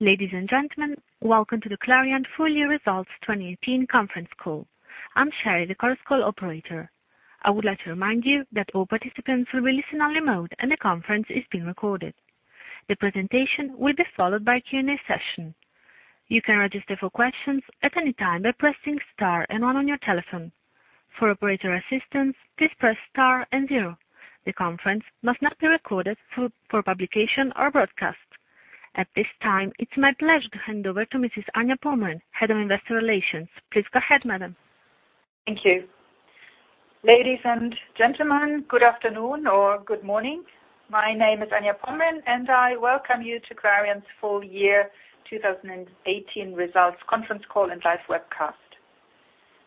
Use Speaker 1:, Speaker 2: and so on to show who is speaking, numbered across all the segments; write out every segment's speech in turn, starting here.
Speaker 1: Ladies and gentlemen, welcome to the Clariant Full Year Results 2018 conference call. I am Sherry, the conference call operator. I would like to remind you that all participants will be in listen-only mode, and the conference is being recorded. The presentation will be followed by a Q&A session. You can register for questions at any time by pressing star one on your telephone. For operator assistance, please press star 0. The conference must not be recorded for publication or broadcast. At this time, it is my pleasure to hand over to Mrs. Anja Pomrehn, Head of Investor Relations. Please go ahead, madam.
Speaker 2: Thank you. Ladies and gentlemen, good afternoon or good morning. My name is Anja Pomrehn, and I welcome you to Clariant's Full Year 2018 Results Conference Call and live webcast.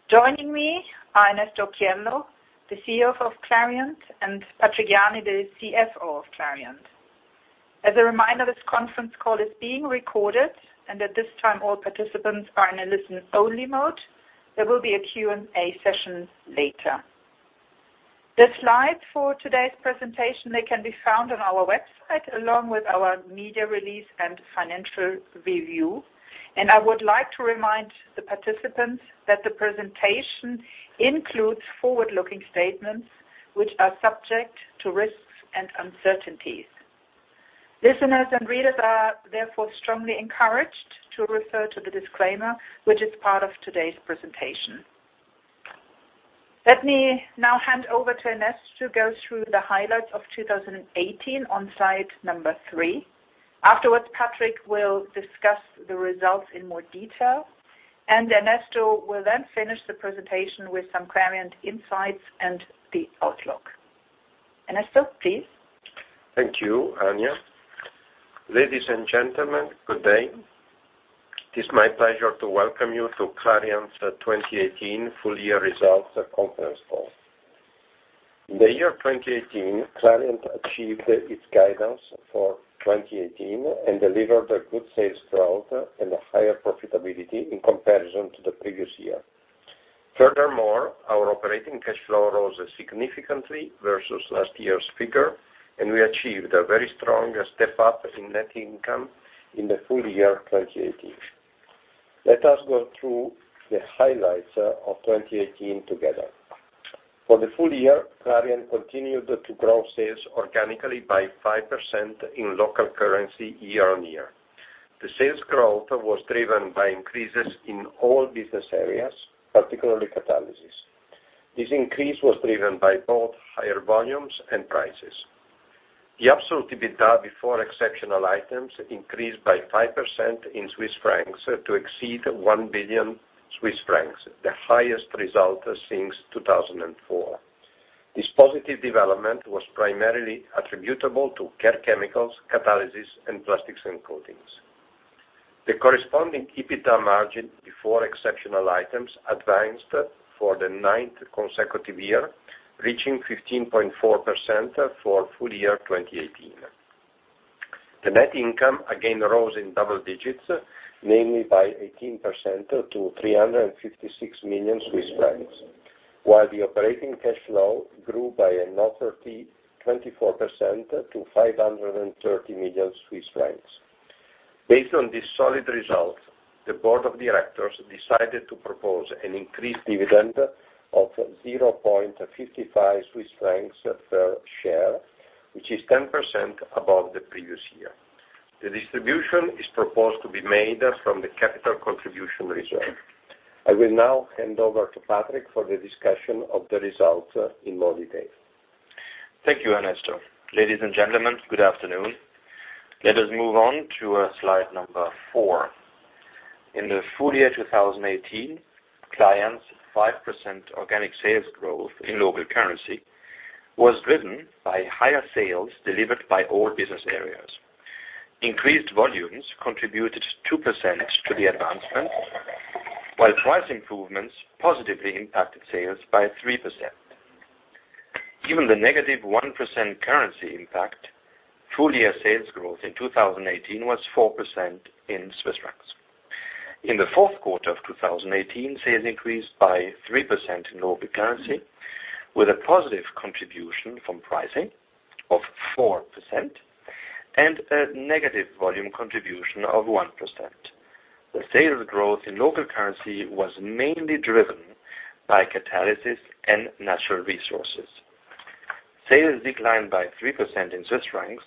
Speaker 2: Joining me are Ernesto Occhiello, the CEO of Clariant, and Patrick Jany, the CFO of Clariant. As a reminder, this conference call is being recorded, and at this time, all participants are in a listen-only mode. There will be a Q&A session later. The slides for today's presentation can be found on our website along with our media release and financial review. I would like to remind the participants that the presentation includes forward-looking statements which are subject to risks and uncertainties. Listeners and readers are therefore strongly encouraged to refer to the disclaimer, which is part of today's presentation. Let me now hand over to Ernesto to go through the highlights of 2018 on slide number three. Afterwards, Patrick will discuss the results in more detail. Ernesto will then finish the presentation with some Clariant insights and the outlook. Ernesto, please.
Speaker 3: Thank you, Anja. Ladies and gentlemen, good day. It is my pleasure to welcome you to Clariant's 2018 Full Year Results Conference Call. In the year 2018, Clariant achieved its guidance for 2018 and delivered a good sales growth and a higher profitability in comparison to the previous year. Furthermore, our operating cash flow rose significantly versus last year's figure. We achieved a very strong step-up in net income in the full year 2018. Let us go through the highlights of 2018 together. For the full year, Clariant continued to grow sales organically by five percent in local currency year-on-year. The sales growth was driven by increases in all business areas, particularly Catalysis. This increase was driven by both higher volumes and prices. The absolute EBITDA before exceptional items increased by five percent in Swiss francs to exceed 1 billion Swiss francs, the highest result since 2004. This positive development was primarily attributable to Care Chemicals, Catalysis, and Plastics & Coatings. The corresponding EBITDA margin before exceptional items advanced for the ninth consecutive year, reaching 15.4% for full year 2018. The net income again rose in double digits, namely by 18% to 356 million Swiss francs, while the operating cash flow grew by another 24% to 530 million Swiss francs. Based on these solid results, the board of directors decided to propose an increased dividend of 0.55 Swiss francs per share, which is 10% above the previous year. The distribution is proposed to be made from the capital contribution reserve. I will now hand over to Patrick for the discussion of the results in more detail.
Speaker 4: Thank you, Ernesto. Ladies and gentlemen, good afternoon. Let us move on to slide number four. In the full year 2018, Clariant's five percent organic sales growth in local currency was driven by higher sales delivered by all business areas. Increased volumes contributed two percent to the advancement, while price improvements positively impacted sales by three percent. Given the negative one percent currency impact, full year sales growth in 2018 was four percent in CHF. In the fourth quarter of 2018, sales increased by three percent in local currency, with a positive contribution from pricing of four percent and a negative volume contribution of one percent. The sales growth in local currency was mainly driven by Catalysis and Natural Resources. Sales declined by three percent in CHF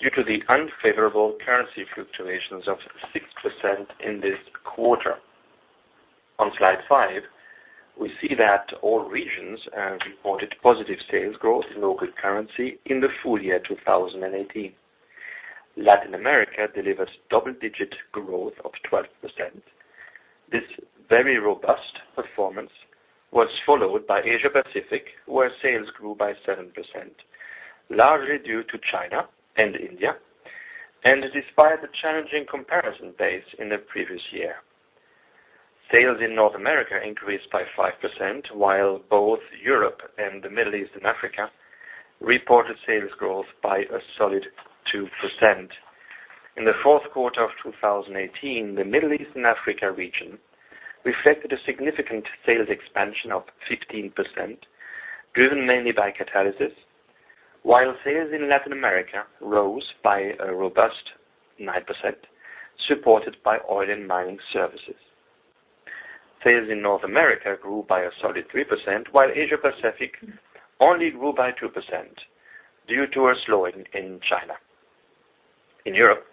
Speaker 4: due to the unfavorable currency fluctuations of six percent in this quarter. On slide five, we see that all regions reported positive sales growth in local currency in the full year 2018. Latin America delivered double-digit growth of 12%. This very robust performance was followed by Asia-Pacific, where sales grew by seven percent, largely due to China and India, and despite the challenging comparison base in the previous year. Sales in North America increased by five percent, while both Europe and the Middle East and Africa reported sales growth by a solid two percent. In the fourth quarter of 2018, the Middle East and Africa region reflected a significant sales expansion of 15%. Driven mainly by Catalysis, while sales in Latin America rose by a robust nine percent, supported by Oil and Mining Services. Sales in North America grew by a solid three percent, while Asia-Pacific only grew by two percent due to a slowing in China. In Europe,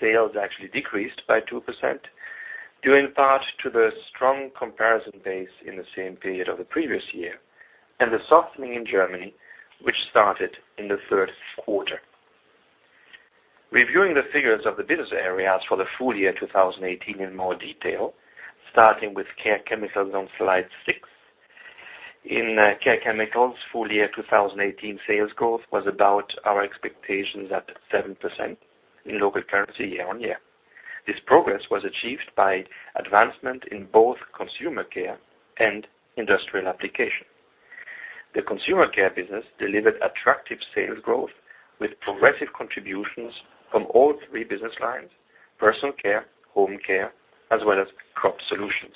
Speaker 4: sales actually decreased by two percent, due in part to the strong comparison base in the same period of the previous year and the softening in Germany, which started in the Q3. Reviewing the figures of the business areas for the full year 2018 in more detail, starting with Care Chemicals on slide six. In Care Chemicals, full year 2018 sales growth was about our expectations at seven percent in local currency year-on-year. This progress was achieved by advancement in both Consumer Care and Industrial Applications. The Consumer Care business delivered attractive sales growth with progressive contributions from all three business lines: Personal Care, Home Care, as well as Crop Solutions.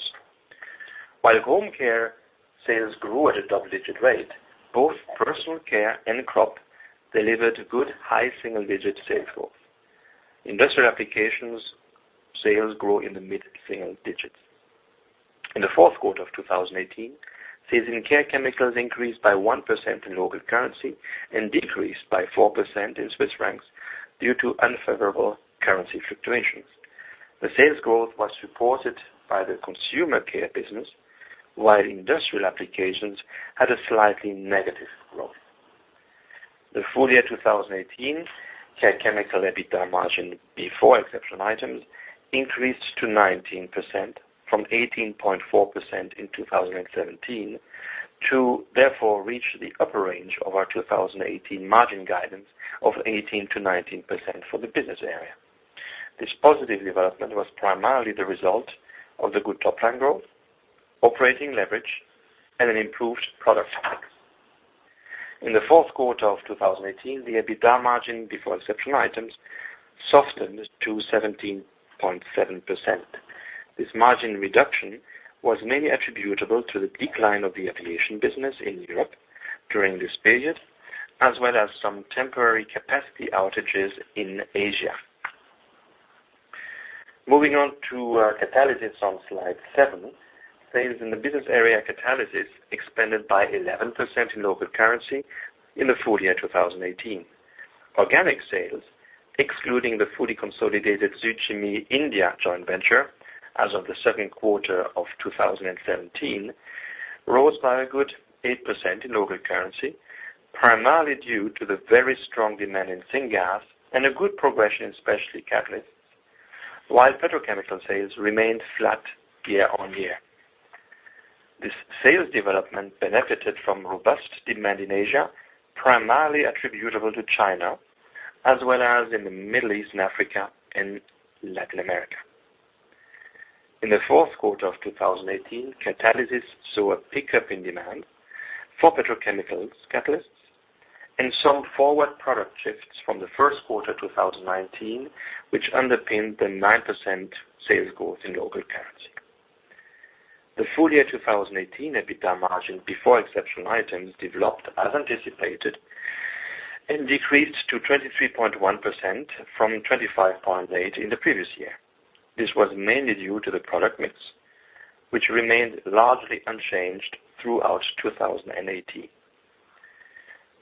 Speaker 4: While Home Care sales grew at a double-digit rate, both Personal Care and crop delivered good high single-digit sales growth. Industrial Applications sales grow in the mid-single digits. In the Q4 of 2018, sales in Care Chemicals increased by one percent in local currency and decreased by four percent in CHF due to unfavorable currency fluctuations. The sales growth was supported by the Consumer Care business, while Industrial Applications had a slightly negative growth. The full year 2018 Care Chemicals EBITDA margin before exceptional items increased to 19% from 18.4% in 2017 to therefore reach the upper range of our 2018 margin guidance of 18%-19% for the business area. This positive development was primarily the result of the good top-line growth, operating leverage, and an improved product. In the Q4 of 2018, the EBITDA margin before exceptional items softened to 17.7%. This margin reduction was mainly attributable to the decline of the aviation business in Europe during this period, as well as some temporary capacity outages in Asia. Moving on to Catalysis on slide seven. Sales in the business area Catalysis expanded by 11% in local currency in the full year 2018. Organic sales, excluding the fully consolidated Sud-Chemie India joint venture as of the Q2 of 2017, rose by a good eight percent in local currency, primarily due to the very strong demand in syngas and a good progression in specialty catalysts, while petrochemical sales remained flat year-on-year. This sales development benefited from robust demand in Asia, primarily attributable to China, as well as in the Middle East and Africa and Latin America. In the Q4 of 2018, Catalysis saw a pickup in demand for petrochemical catalysts and some forward product shifts from the Q1 2019, which underpinned the nine percent sales growth in local currency. The full year 2018 EBITDA margin before exceptional items developed as anticipated and decreased to 23.1% from 25.8% in the previous year. This was mainly due to the product mix, which remained largely unchanged throughout 2018.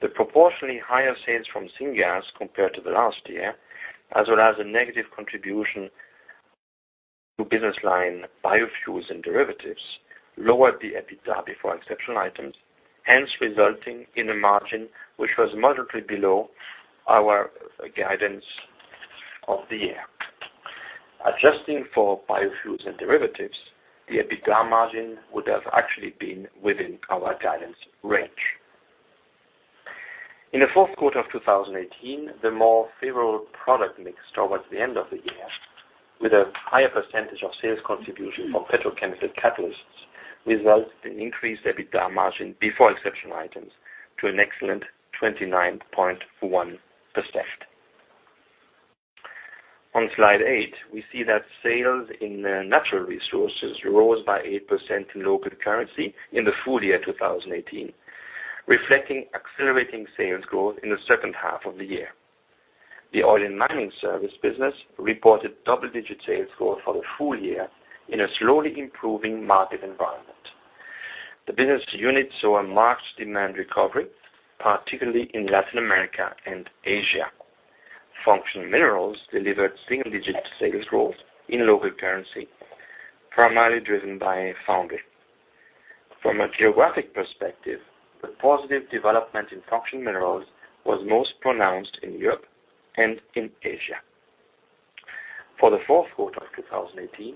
Speaker 4: The proportionally higher sales from syngas compared to the last year, as well as a negative contribution to business line Biofuels & Derivatives, lowered the EBITDA before exceptional items, hence resulting in a margin which was moderately below our guidance of the year. Adjusting for Biofuels & Derivatives, the EBITDA margin would have actually been within our guidance range. In the Q4 of 2018, the more favorable product mix towards the end of the year, with a higher percentage of sales contribution from petrochemical catalysts, resulted in increased EBITDA margin before exceptional items to an excellent 29.1%. On slide eight, we see that sales in Natural Resources rose by eight percent in local currency in the full year 2018, reflecting accelerating sales growth in the second half of the year. The Oil and Mining Services business reported double-digit sales growth for the full year in a slowly improving market environment. The business unit saw a marked demand recovery, particularly in Latin America and Asia. Functional Minerals delivered single-digit sales growth in local currency, primarily driven by foundry. From a geographic perspective, the positive development in Functional Minerals was most pronounced in Europe and in Asia. For the Q4 of 2018,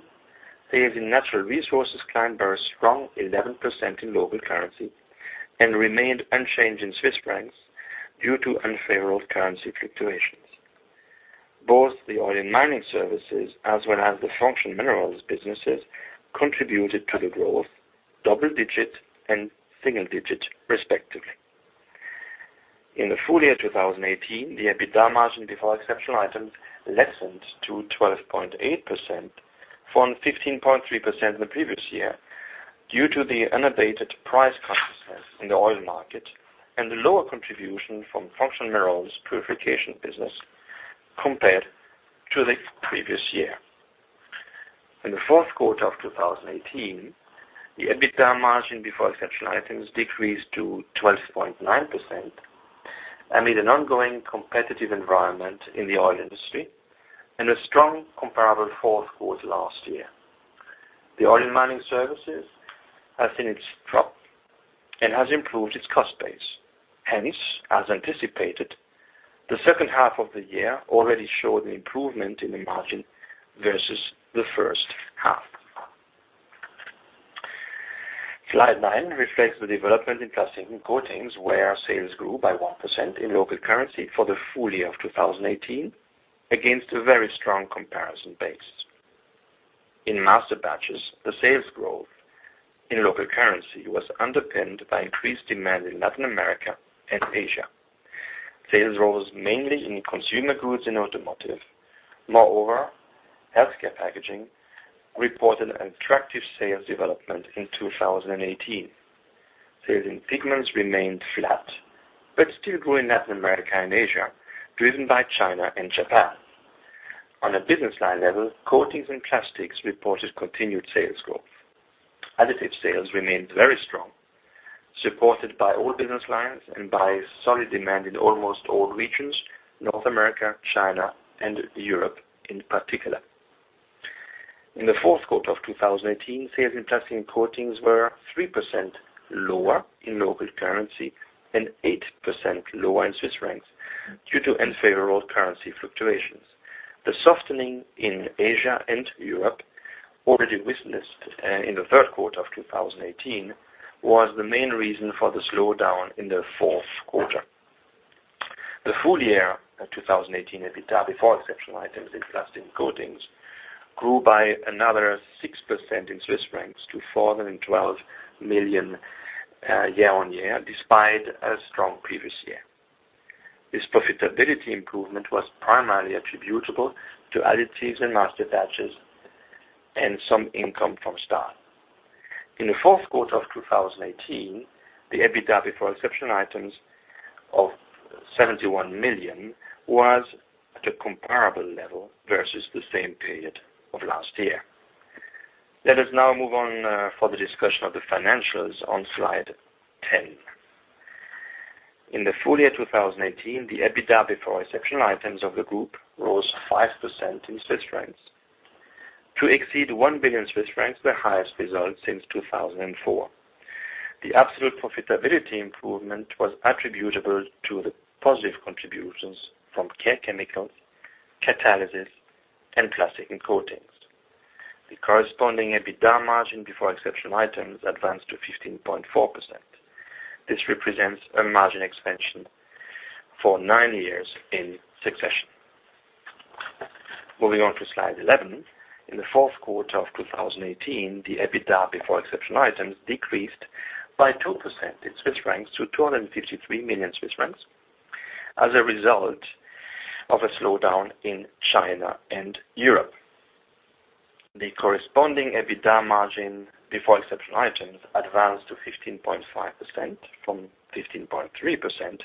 Speaker 4: sales in Natural Resources climbed by a strong 11% in local currency and remained unchanged in CHF due to unfavorable currency fluctuations. Both the Oil and Mining Services as well as the Functional Minerals businesses contributed to the growth, double-digit and single-digit respectively. In the full year 2018, the EBITDA margin before exceptional items lessened to 12.8%, from 15.3% in the previous year, due to the unabated price consciousness in the oil market and the lower contribution from Functional Minerals purification business compared to the previous year. In the Q4 of 2018, the EBITDA margin before exceptional items decreased to 12.9% amid an ongoing competitive environment in the oil industry and a strong comparable Q4 last year. The Oil and Mining Services has seen it drop and has improved its cost base. As anticipated, the second half of the year already showed an improvement in the margin versus the first half. Slide nine reflects the development in Plastics & Coatings, where sales grew by one percent in local currency for the full year of 2018 against a very strong comparison base. In Masterbatches, the sales growth in local currency was underpinned by increased demand in Latin America and Asia. Sales rose mainly in consumer goods and automotive. Moreover, healthcare packaging reported an attractive sales development in 2018. Sales in Pigments remained flat, but still grew in Latin America and Asia, driven by China and Japan. On a business line level, Coatings and Plastics reported continued sales growth. Additives sales remained very strong, supported by all business lines and by solid demand in almost all regions, North America, China, and Europe in particular. In the Q4 of 2018, sales in Plastics & Coatings were three percent lower in local currency and eight percent lower in CHF due to unfavorable currency fluctuations. The softening in Asia and Europe, already witnessed in the third quarter of 2018, was the main reason for the slowdown in the Q4. The full year of 2018 EBITDA before exceptional items in Plastics & Coatings grew by another six percent CHF to 412 million Swiss francs year-on-year, despite a strong previous year. This profitability improvement was primarily attributable to Additives in Masterbatches and some income from Stahl. In the Q4 of 2018, the EBITDA before exceptional items of 71 million was at a comparable level versus the same period of last year. Let us now move on for the discussion of the financials on Slide 10. In the full year 2018, the EBITDA before exceptional items of the group rose five percent in CHF to exceed 1 billion Swiss francs, the highest result since 2004. The absolute profitability improvement was attributable to the positive contributions from Care Chemicals, Catalysis, and Plastics & Coatings. The corresponding EBITDA margin before exceptional items advanced to 15.4%. This represents a margin expansion for nine years in succession. Moving on to Slide 11. In the Q4 of 2018, the EBITDA before exceptional items decreased bytwo percent in CHF to 253 million Swiss francs as a result of a slowdown in China and Europe. The corresponding EBITDA margin before exceptional items advanced to 15.5% from 15.3%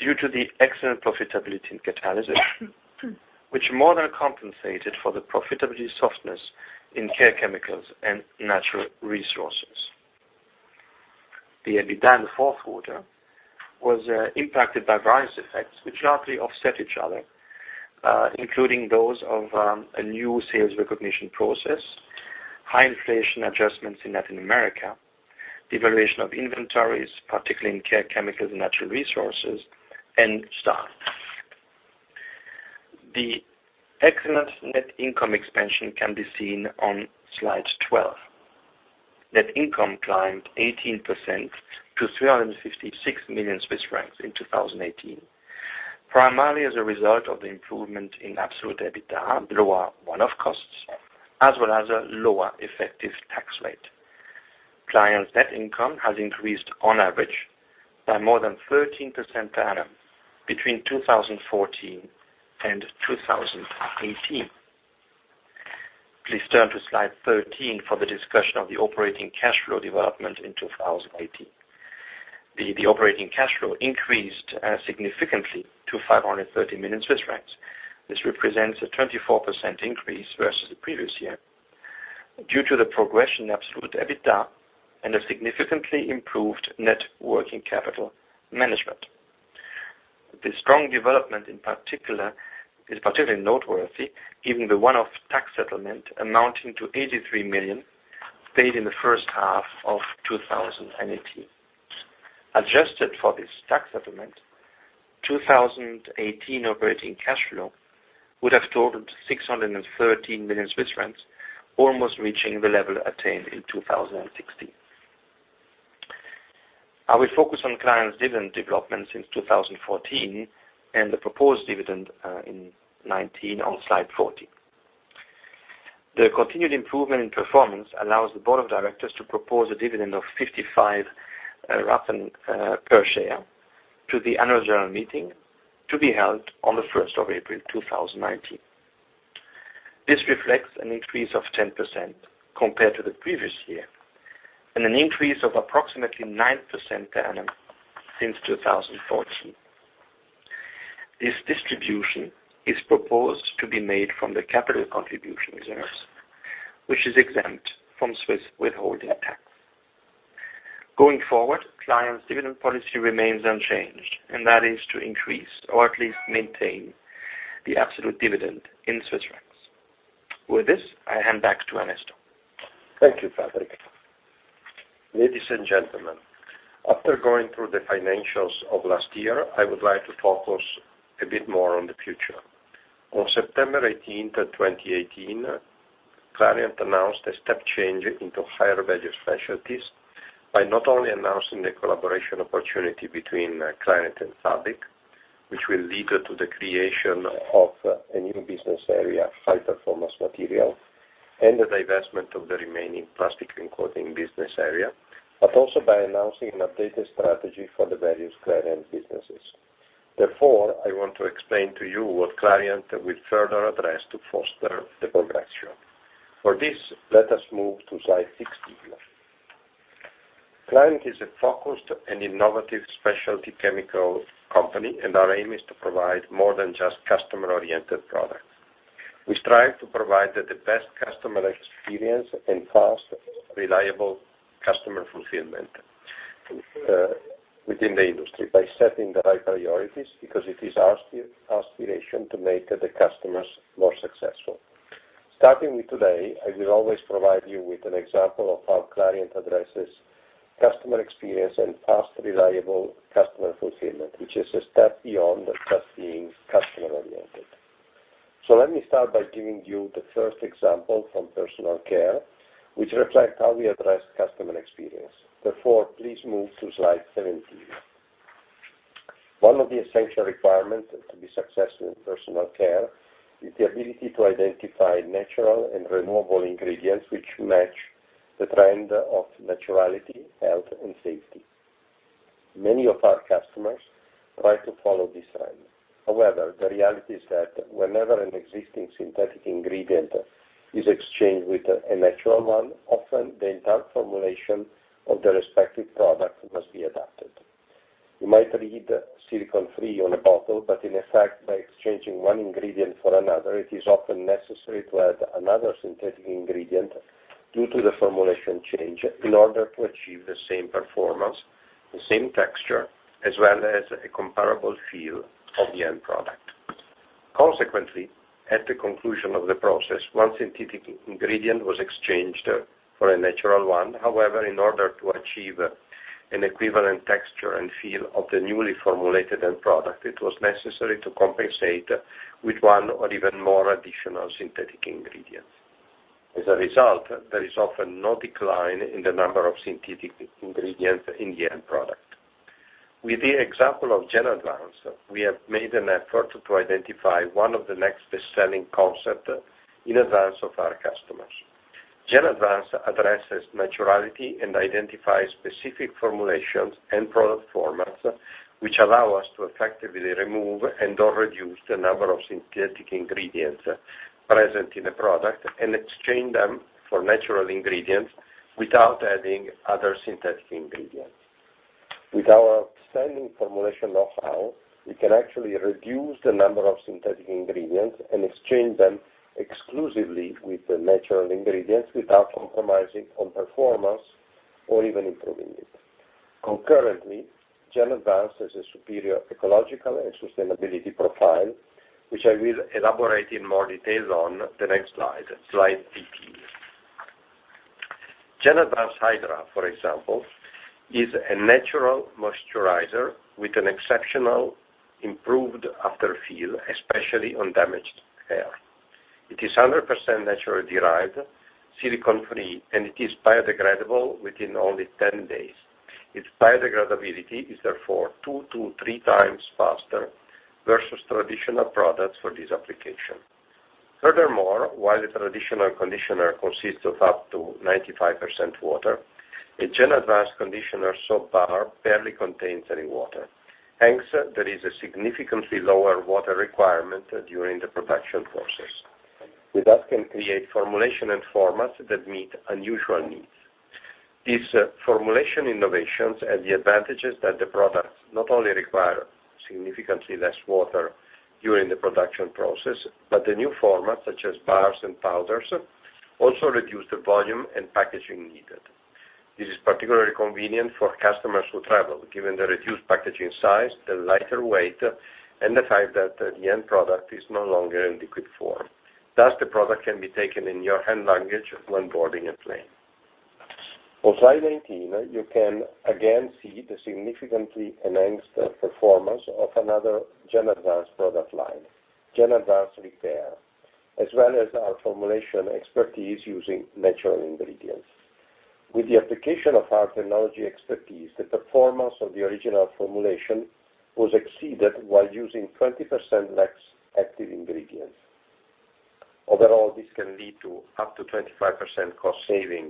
Speaker 4: due to the excellent profitability in Catalysis, which more than compensated for the profitability softness in Care Chemicals and Natural Resources. The EBITDA in the Q4 was impacted by various effects which largely offset each other, including those of a new sales recognition process, high inflation adjustments in Latin America, devaluation of inventories, particularly in Care Chemicals and Natural Resources, and Stahl. The excellent net income expansion can be seen on Slide 12. Net income climbed 18% to 356 million Swiss francs in 2018, primarily as a result of the improvement in absolute EBITDA, lower one-off costs, as well as a lower effective tax rate. Clariant's net income has increased on average by more than 13% per annum between 2014 and 2018. Please turn to Slide 13 for the discussion of the operating cash flow development in 2018. The operating cash flow increased significantly to 530 million Swiss francs. This represents a 24% increase versus the previous year due to the progression in absolute EBITDA and a significantly improved net working capital management. The strong development is particularly noteworthy given the one-off tax settlement amounting to 83 million paid in the first half of 2018. Adjusted for this tax settlement, 2018 operating cash flow would have totaled 613 million Swiss francs, almost reaching the level attained in 2016. I will focus on Clariant's dividend development since 2014 and the proposed dividend in 2019 on Slide 14. The continued improvement in performance allows the board of directors to propose a dividend of 0.55 per share to the annual general meeting to be held on the 1st of April 2019. This reflects an increase of 10% compared to the previous year, and an increase of approximately nine percent per annum since 2014. This distribution is proposed to be made from the capital contribution reserves, which is exempt from Swiss withholding tax. Going forward, Clariant's dividend policy remains unchanged, and that is to increase or at least maintain the absolute dividend in CHF. With this, I hand back to Ernesto.
Speaker 3: Thank you, Patrick. Ladies and gentlemen, after going through the financials of last year, I would like to focus a bit more on the future. On September 18th, 2018, Clariant announced a step change into higher value specialties by not only announcing the collaboration opportunity between Clariant and SABIC, which will lead to the creation of a new business area, High Performance Materials, and the divestment of the remaining Plastics & Coatings business area, but also by announcing an updated strategy for the various Clariant businesses. I want to explain to you what Clariant will further address to foster the progression. For this, let us move to Slide 16. Clariant is a focused and innovative specialty chemical company, and our aim is to provide more than just customer-oriented products. We strive to provide the best customer experience and fast, reliable customer fulfillment within the industry by setting the right priorities, because it is our aspiration to make the customers more successful. Starting with today, I will always provide you with an example of how Clariant addresses customer experience and fast, reliable customer fulfillment, which is a step beyond just being customer-oriented. Let me start by giving you the first example from Personal Care, which reflects how we address customer experience. Please move to Slide 17. One of the essential requirements to be successful in Personal Care is the ability to identify natural and renewable ingredients which match the trend of naturality, health, and safety. Many of our customers try to follow this trend. However, the reality is that whenever an existing synthetic ingredient is exchanged with a natural one, often the entire formulation of the respective product must be adapted. In effect, by exchanging one ingredient for another, it is often necessary to add another synthetic ingredient due to the formulation change in order to achieve the same performance, the same texture, as well as a comparable feel of the end product. Consequently, at the conclusion of the process, one synthetic ingredient was exchanged for a natural one. However, in order to achieve an equivalent texture and feel of the newly formulated end product, it was necessary to compensate with one or even more additional synthetic ingredients. As a result, there is often no decline in the number of synthetic ingredients in the end product. With the example of Genadvance, we have made an effort to identify one of the next best-selling concept in advance of our customers. Genadvance addresses naturality and identifies specific formulations and product formats which allow us to effectively remove and/or reduce the number of synthetic ingredients present in a product and exchange them for natural ingredients without adding other synthetic ingredients. With our outstanding formulation know-how, we can actually reduce the number of synthetic ingredients and exchange them exclusively with natural ingredients without compromising on performance or even improving it. Concurrently, Genadvance has a superior ecological and sustainability profile, which I will elaborate in more detail on the next slide 18. Genadvance Hydra, for example, is a natural moisturizer with an exceptional improved after feel, especially on damaged hair. It is 100% naturally derived, silicone-free, and it is biodegradable within only 10 days. Its biodegradability is therefore 2x - 3x faster versus traditional products for this application. Furthermore, while the traditional conditioner consists of up to 95% water, a Genadvance conditioner soap bar barely contains any water. There is a significantly lower water requirement during the production process. With that, we can create formulation and formats that meet unusual needs. These formulation innovations and the advantages that the products not only require significantly less water during the production process, the new formats, such as bars and powders, also reduce the volume and packaging needed. This is particularly convenient for customers who travel, given the reduced packaging size, the lighter weight, and the fact that the end product is no longer in liquid form. Thus, the product can be taken in your hand luggage when boarding a plane. On slide 19, you can again see the significantly enhanced performance of another Genadvance product line, Genadvance Repair, as well as our formulation expertise using natural ingredients. With the application of our technology expertise, the performance of the original formulation was exceeded while using 20% less active ingredients. Overall, this can lead to up to 25% cost saving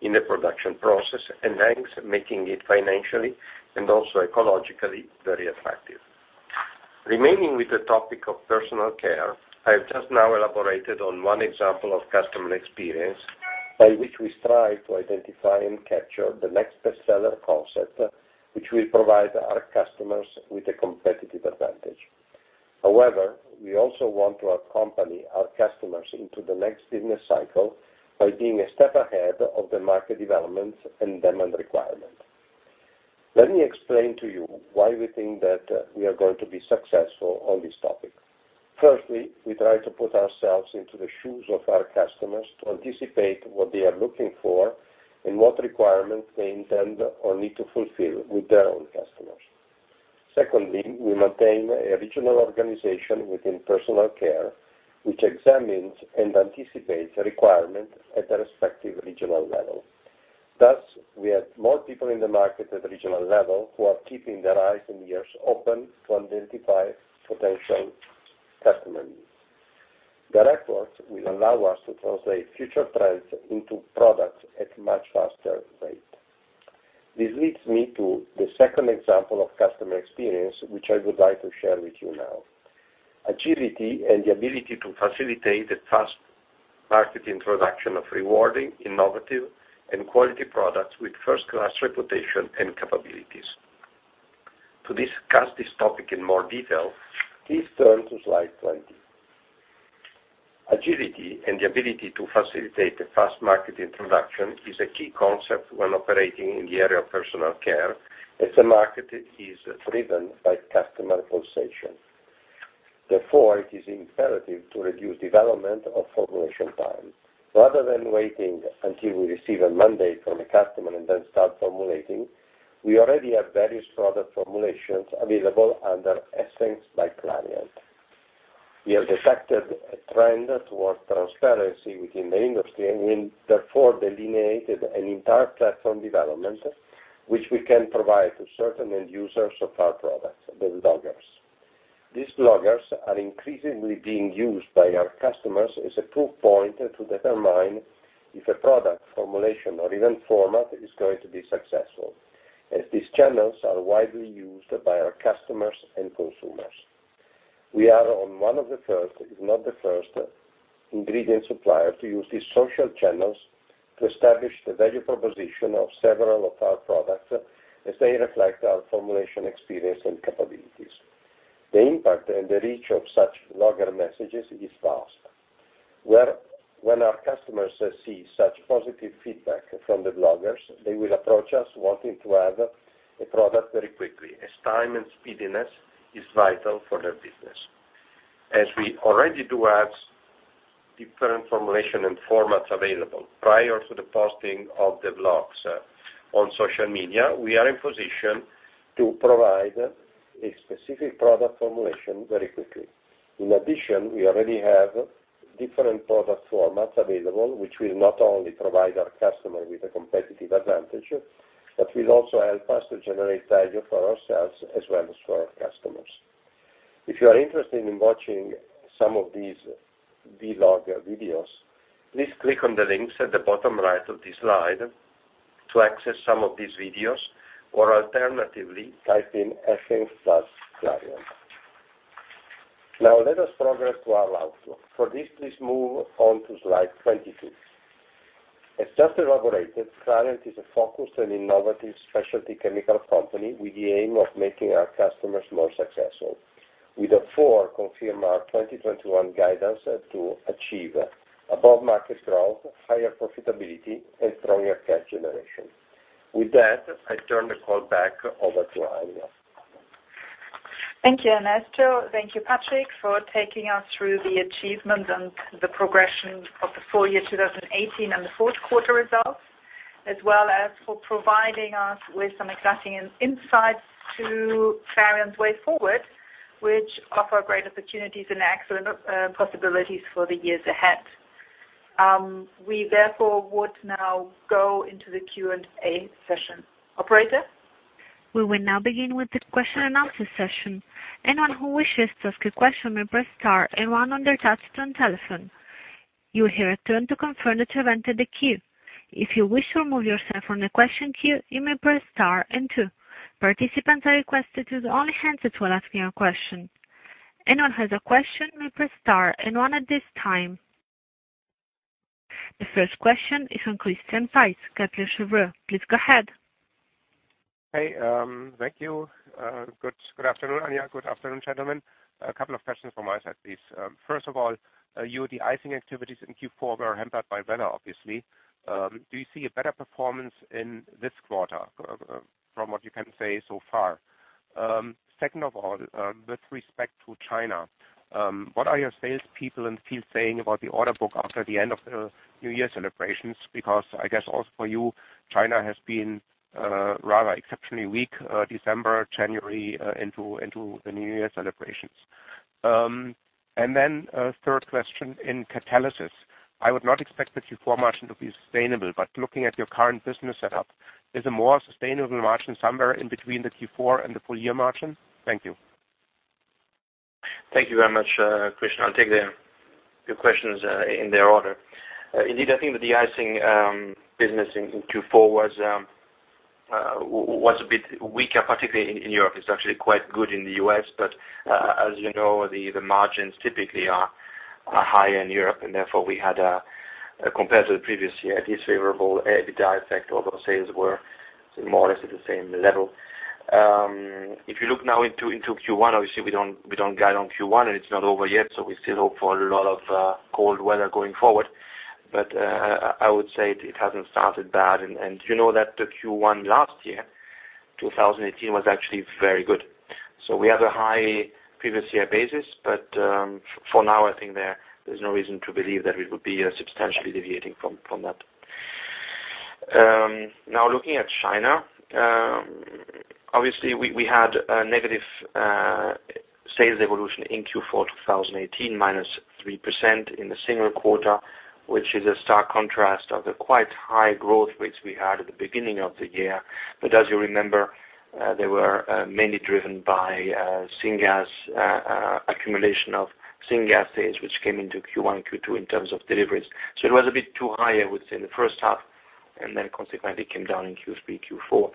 Speaker 3: in the production process, hence making it financially and also ecologically very attractive. Remaining with the topic of personal care, I have just now elaborated on one example of customer experience, by which we strive to identify and capture the next bestseller concept, which will provide our customers with a competitive advantage. However, we also want to accompany our customers into the next business cycle by being a step ahead of the market developments and demand requirement. Let me explain to you why we think that we are going to be successful on this topic. Firstly, we try to put ourselves into the shoes of our customers to anticipate what they are looking for and what requirements they intend or need to fulfill with their own customers. Secondly, we maintain a regional organization within Personal Care, which examines and anticipates requirements at the respective regional level. Thus, we have more people in the market at the regional level who are keeping their eyes and ears open to identify potential customer needs. That effort will allow us to translate future trends into products at a much faster rate. This leads me to the second example of customer experience, which I would like to share with you now. Agility and the ability to facilitate a fast market introduction of rewarding, innovative, and quality products with first-class reputation and capabilities. To discuss this topic in more detail, please turn to slide 20. Agility and the ability to facilitate a fast market introduction is a key concept when operating in the area of Personal Care, as the market is driven by customer pulsation. It is imperative to reduce development of formulation time. Rather than waiting until we receive a mandate from a customer and then start formulating, we already have various product formulations available under Essence by Clariant. We have detected a trend towards transparency within the industry and delineated an entire platform development, which we can provide to certain end users of our products, the bloggers. These bloggers are increasingly being used by our customers as a proof point to determine if a product formulation or even format is going to be successful, as these channels are widely used by our customers and consumers. We are on one of the first, if not the first, ingredient supplier to use these social channels to establish the value proposition of several of our products, as they reflect our formulation experience and capabilities. The impact and the reach of such blogger messages is fast. When our customers see such positive feedback from the bloggers, they will approach us wanting to have a product very quickly, as time and speediness is vital for their business. As we already do have different formulation and formats available prior to the posting of the blogs on social media, we are in position to provide a specific product formulation very quickly. In addition, we already have different product formats available, which will not only provide our customer with a competitive advantage, but will also help us to generate value for ourselves as well as for our customers. If you are interested in watching some of these vlogger videos, please click on the links at the bottom right of this slide to access some of these videos, or alternatively, type in Essence plus Clariant. Let us progress to our outlook. For this, please move on to slide 22. As just elaborated, Clariant is a focused and innovative specialty chemical company with the aim of making our customers more successful. We therefore confirm our 2021 guidance to achieve above market growth, higher profitability, and stronger cash generation. With that, I turn the call back over to Anja.
Speaker 2: Thank you, Ernesto. Thank you, Patrick, for taking us through the achievements and the progression of the full year 2018 and the Q4 results, as well as for providing us with some exciting insights to Clariant's way forward, which offer great opportunities and excellent possibilities for the years ahead. We would now go into the Q&A session. Operator?
Speaker 1: We will now begin with the question and answer session. Anyone who wishes to ask a question may press star and one on their touch-tone telephone. You will hear a tone to confirm that you have entered the queue. If you wish to remove yourself from the question queue, you may press star and two. Participants are requested to only answer while asking a question. Anyone who has a question may press star and one at this time. The first question is from Christian Faitz, Credit Suisse. Please go ahead.
Speaker 5: Hey, thank you. Good afternoon, Anja. Good afternoon, gentlemen. A couple of questions from my side, please. First of all, your de-icing activities in Q4 were hampered by weather, obviously. Do you see a better performance in this quarter, from what you can say so far? Second of all, with respect to China, what are your salespeople in the field saying about the order book after the end of the New Year Celebrations? Because I guess also for you, China has been rather exceptionally weak, December, January into the New Year Celebrations. Third question in Catalysis. I would not expect the Q4 margin to be sustainable, but looking at your current business setup, is a more sustainable margin somewhere in between the Q4 and the full-year margin? Thank you.
Speaker 4: Thank you very much, Christian. I'll take your questions in their order. Indeed, I think the de-icing business in Q4 was a bit weaker, particularly in Europe. It's actually quite good in the U.S., but as you know, the margins typically are higher in Europe. Therefore, we had, compared to the previous year, an unfavorable EBITDA effect, although sales were more or less at the same level. If you look now into Q1, obviously we don't guide on Q1. It's not over yet, so we still hope for a lot of cold weather going forward. I would say it hasn't started bad. You know that the Q1 last year, 2018, was actually very good. We have a high previous year basis. For now, I think there's no reason to believe that we would be substantially deviating from that. Looking at China, obviously we had a negative sales evolution in Q4 2018, minus three percent in the single quarter, which is a stark contrast of the quite high growth rates we had at the beginning of the year. As you remember, they were mainly driven by syngas, accumulation of syngas sales, which came into Q1, Q2 in terms of deliveries. It was a bit too high, I would say, in the first half, consequently came down in Q3, Q4.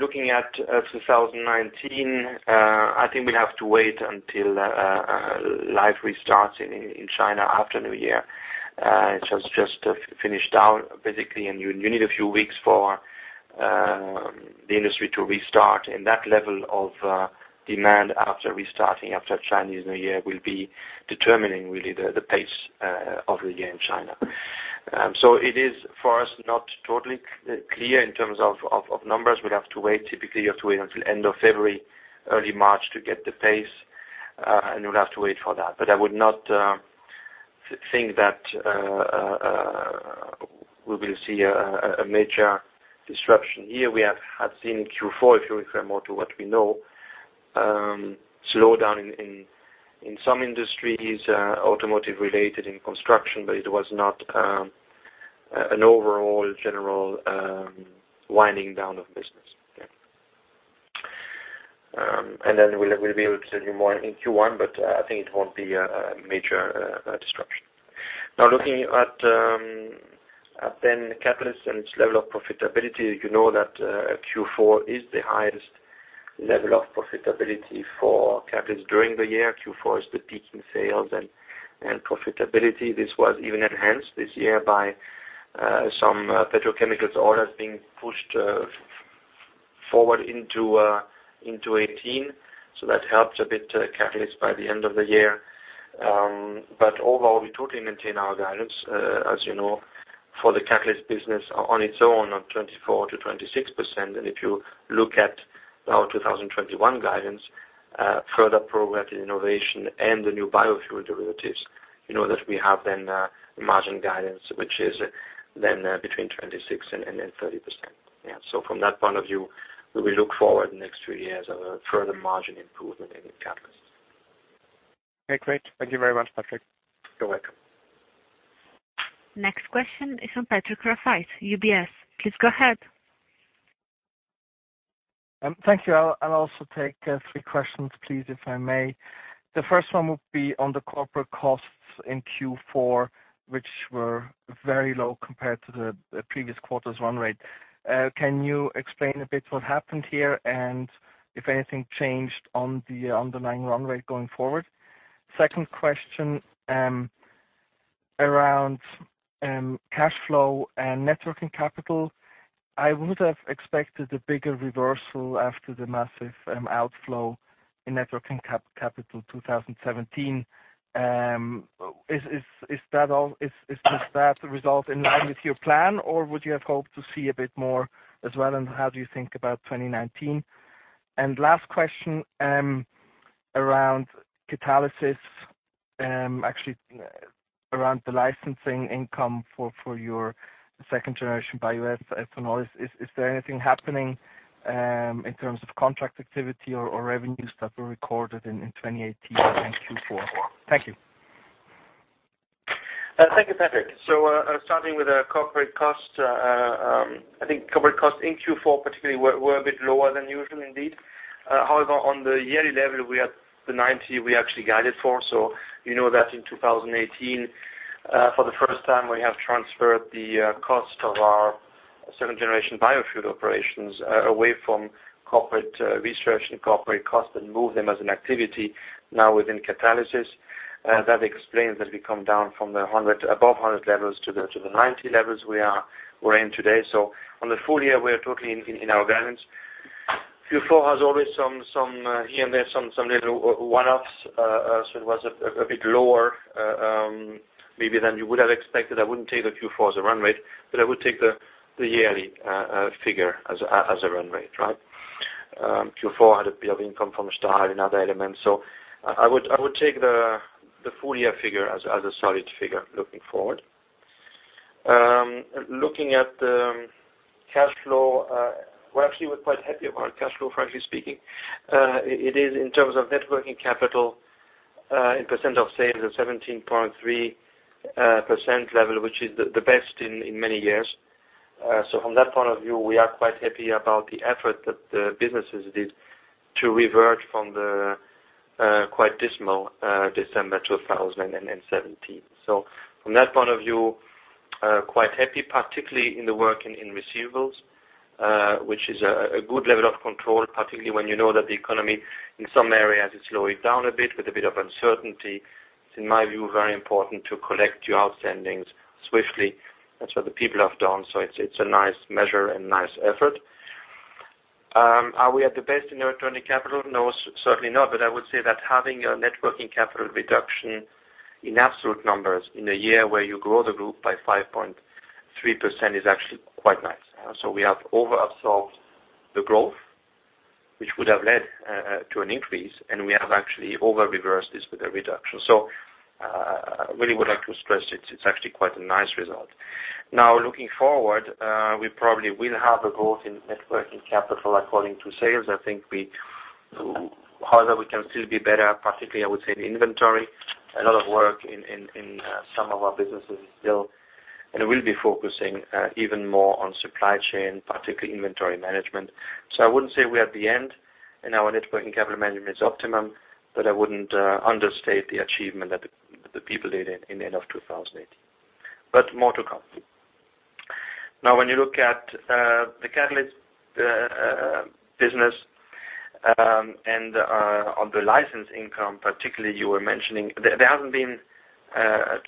Speaker 4: Looking at 2019, I think we'll have to wait until life restarts in China after New Year. It has just finished out, basically, and you need a few weeks for the industry to restart. That level of demand after restarting after Chinese New Year will be determining, really, the pace of the year in China. It is, for us, not totally clear in terms of numbers. We'll have to wait. Typically, you have to wait until end of February, early March, to get the pace. We'll have to wait for that. I would not think that we will see a major disruption here. We have seen in Q4, if you refer more to what we know, slowdown in some industries, automotive-related and construction, but it was not an overall general winding down of business. Yeah. We'll be able to tell you more in Q1, but I think it won't be a major disruption. Looking at then Catalysis and its level of profitability. You know that Q4 is the highest level of profitability for catalysts during the year. Q4 is the peak in sales and profitability. This was even enhanced this year by some petrochemicals orders being pushed forward into 2018. That helped a bit Catalysis by the end of the year. Overall, we totally maintain our guidance, as you know, for the Catalysis business on its own on 24%-26%. If you look at our 2021 guidance, further progress in innovation and the new biofuel derivatives, you know that we have margin guidance, which is between 26% and 30%. Yeah. From that point of view, we look forward the next three years of further margin improvement in Catalysis.
Speaker 5: Okay, great. Thank you very much, Patrick.
Speaker 4: You're welcome.
Speaker 1: Next question is from Patrick Rafaisz, UBS. Please go ahead.
Speaker 6: Thank you. I'll also take three questions, please, if I may. The first one would be on the corporate costs in Q4, which were very low compared to the previous quarter's run rate. Can you explain a bit what happened here, and if anything changed on the underlying run rate going forward? Second question, around cash flow and net working capital. I would have expected a bigger reversal after the massive outflow in net working capital 2017. Is that result in line with your plan, or would you have hoped to see a bit more as well, and how do you think about 2019? Last question, around Catalysis, actually around the licensing income for your second-generation bioethanol. Is there anything happening in terms of contract activity or revenues that were recorded in 2018 and Q4? Thank you.
Speaker 4: Thank you, Patrick. Starting with the corporate cost. I think corporate costs in Q4 particularly were a bit lower than usual, indeed. However, on the yearly level, we had the 90 we actually guided for. You know that in 2018, for the first time, we have transferred the cost of our second-generation biofuel operations away from corporate research and corporate cost and moved them as an activity now within Catalysis. That explains that we come down from the above 100 levels to the 90 levels we're in today. On the full year, we are totally in our guidance. Q4 has always some, here and there, some little one-offs. It was a bit lower, maybe, than you would have expected. I wouldn't take the Q4 as a run rate, but I would take the yearly figure as a run rate, right? Q4 had a bit of income from Stahl and other elements. I would take the full-year figure as a solid figure looking forward. Looking at the cash flow, we actually were quite happy about cash flow, frankly speaking. It is, in terms of net working capital, in percent of sales, at 17.3% level, which is the best in many years. From that point of view, we are quite happy about the effort that the businesses did to revert from the quite dismal December 2017. From that point of view, quite happy, particularly in the work in receivables, which is a good level of control, particularly when you know that the economy, in some areas, is slowing down a bit with a bit of uncertainty. It's, in my view, very important to collect your outstandings swiftly. That's what the people have done. It's a nice measure and nice effort. Are we at the best in our turning capital? No, certainly not. I would say that having a net working capital reduction in absolute numbers in a year where you grow the group by 5.3% is actually quite nice. We have over-absorbed the growth, which would have led to an increase, and we have actually over-reversed this with a reduction. I really would like to stress it's actually quite a nice result. Looking forward, we probably will have a growth in net working capital according to sales. I think, however, we can still be better, particularly, I would say, in inventory. A lot of work in some of our businesses still, and will be focusing even more on supply chain, particularly inventory management. I wouldn't say we're at the end and our net working capital management is optimum, but I wouldn't understate the achievement that the people did in end of 2018. More to come. When you look at the catalyst business, and on the license income, particularly, you were mentioning, there hasn't been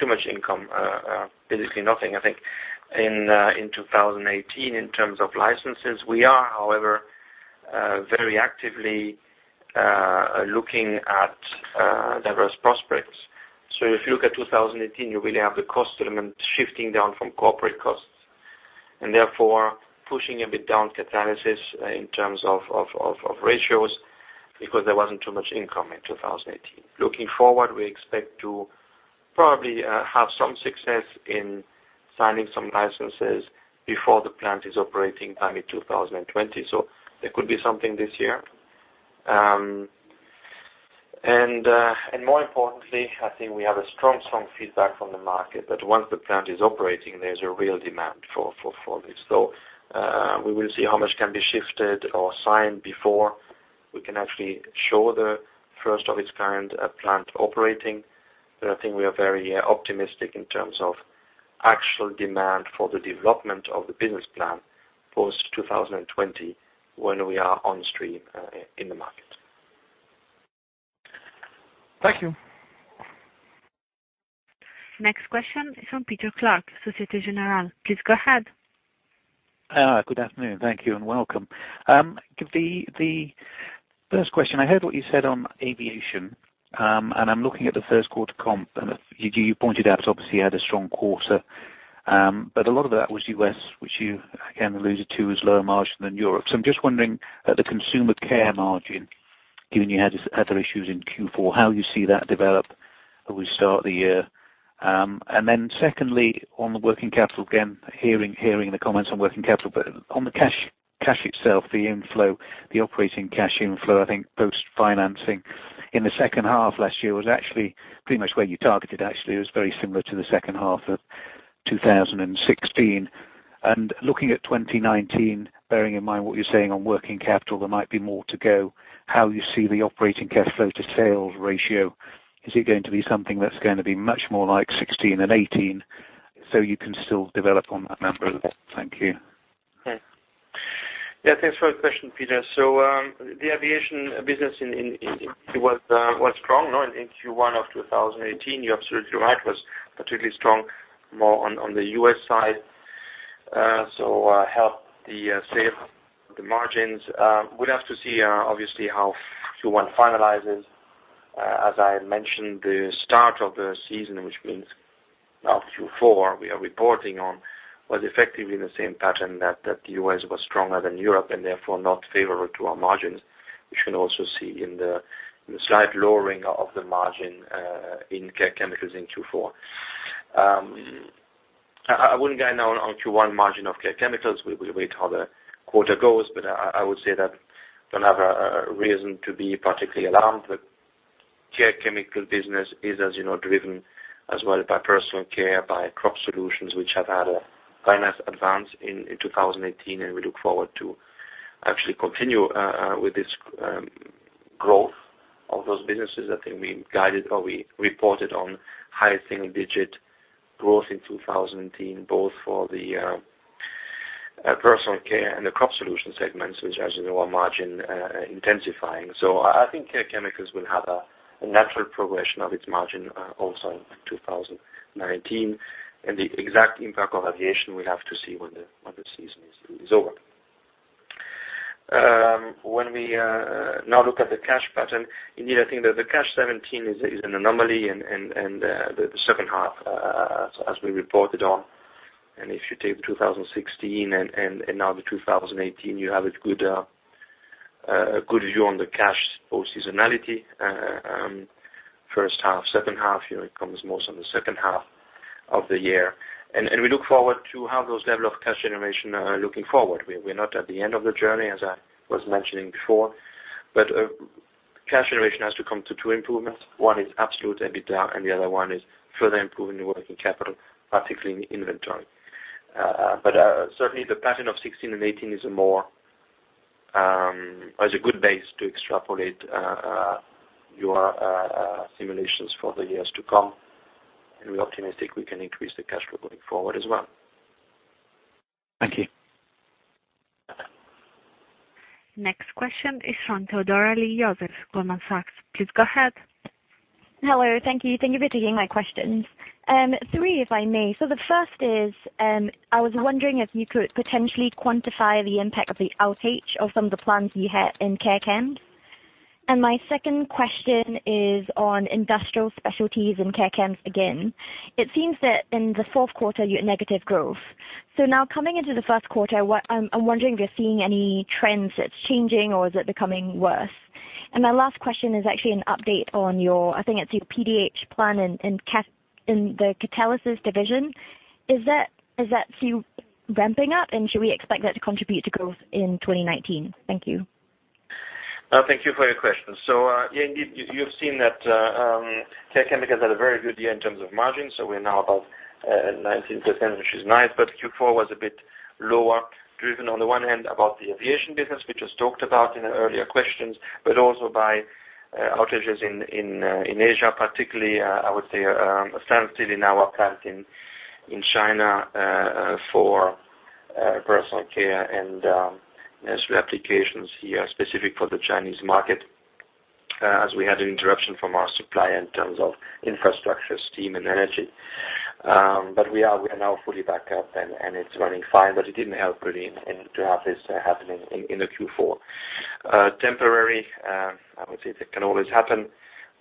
Speaker 4: too much income, basically nothing, I think, in 2018 in terms of licenses. We are, however, very actively looking at diverse prospects. If you look at 2018, you really have the cost element shifting down from corporate costs and therefore pushing a bit down Catalysis in terms of ratios because there wasn't too much income in 2018. Looking forward, we expect to probably have some success in signing some licenses before the plant is operating by mid-2020. There could be something this year. More importantly, I think we have a strong feedback from the market that once the plant is operating, there's a real demand for this. We will see how much can be shifted or signed before we can actually show the first of its kind plant operating. I think we are very optimistic in terms of actual demand for the development of the business plan post 2020 when we are on stream in the market.
Speaker 6: Thank you.
Speaker 1: Next question is from Peter Clark, Societe Generale. Please go ahead.
Speaker 7: Good afternoon. Thank you and welcome. The first question, I heard what you said on aviation, I'm looking at the Q1 comp, you pointed out it obviously had a strong quarter. A lot of that was U.S., which you again alluded to as lower margin than Europe. I'm just wondering at the Consumer Care margin, given you had other issues in Q4, how you see that develop as we start the year. Secondly, on the working capital, again, hearing the comments on working capital, but on the cash itself, the inflow, the operating cash inflow, I think post-financing in the second half last year was actually pretty much where you targeted. Actually, it was very similar to the second half of 2016. Looking at 2019, bearing in mind what you're saying on working capital, there might be more to go, how you see the operating cash flow to sales ratio. Is it going to be something that's going to be much more like 2016 and 2018 so you can still develop on that number a bit? Thank you.
Speaker 4: Yeah. Thanks for the question, Peter. The aviation business in Q1 was strong in Q1 of 2018. You're absolutely right. Was particularly strong more on the U.S. side, helped the margins. We'll have to see, obviously, how Q1 finalizes. As I mentioned, the start of the season, which means now Q4 we are reporting on, was effectively the same pattern that the U.S. was stronger than Europe and therefore not favorable to our margins, which you can also see in the slight lowering of the margin in Care Chemicals in Q4. I wouldn't go now on Q1 margin of Care Chemicals. We wait how the quarter goes, but I would say that don't have a reason to be particularly alarmed. The Care Chemicals business is, as you know, driven as well by Personal Care, by Crop Solutions, which have had a finance advance in 2018, we look forward to actually continue with this growth of those businesses. I think we guided or we reported on high single-digit growth in 2018, both for the Personal Care and the Crop Solutions segments, which, as you know, are margin intensifying. I think Care Chemicals will have a natural progression of its margin also in 2019. The exact impact on aviation, we have to see when the season is over. When we now look at the cash pattern, indeed, I think that the cash 2017 is an anomaly in the second half, as we reported on. If you take 2016 and now the 2018, you have a good view on the cash post seasonality. First half, second half, it comes most on the second half of the year. We look forward to have those level of cash generation looking forward. We're not at the end of the journey, as I was mentioning before, cash generation has to come to two improvements. One is absolute EBITDA, and the other one is further improving the working capital, particularly in inventory. Certainly, the pattern of 2016 and 2018 is a good base to extrapolate your simulations for the years to come, and we're optimistic we can increase the cash flow going forward as well.
Speaker 7: Thank you.
Speaker 1: Next question is from Thea Badaro, Goldman Sachs. Please go ahead.
Speaker 8: Hello. Thank you. Thank you for taking my questions. Three if I may. The first is, I was wondering if you could potentially quantify the impact of the outage of some of the plants you had in CareChem. My second question is on Industrial Applications in CareChem again. It seems that in the Q4, you're negative growth. Coming into the first quarter, I'm wondering if you're seeing any trends that's changing or is it becoming worse? My last question is actually an update on your, I think it's your PDH plan in the Catalysis division. Is that still ramping up, and should we expect that to contribute to growth in 2019? Thank you.
Speaker 4: Thank you for your question. Indeed, you've seen that Care Chemicals had a very good year in terms of margin. We're now above 19%, which is nice, Q4 was a bit lower, driven on the one hand about the aviation business, which was talked about in the earlier questions, but also by outages in Asia, particularly, I would say, sensitive in our plant in China for Personal Care and Industrial Applications here specific for the Chinese market, as we had an interruption from our supplier in terms of infrastructure, steam, and energy. We are now fully back up, and it's running fine, it didn't help really to have this happening in the Q4. Temporary, I would say that can always happen.